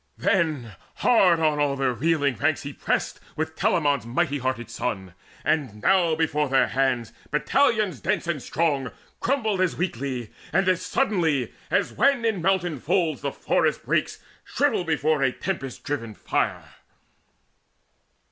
Then hard on all their reeling ranks he pressed With Telamon's mighty hearted son; and now Before their hands battalions dense and strong Crumbled as weakly and as suddenly As when in mountain folds the forest brakes Shrivel before a tempest driven fire.